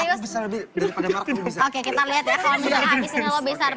oke kita lihat ya